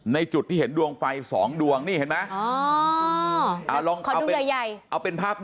ในจุดที่เห็นดวงไฟ๒ดวงนี่เห็นไหม